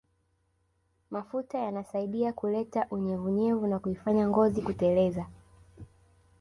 Mafuta yanasaidia kuleta unyevunyevu na kuifanya ngozi kuteleza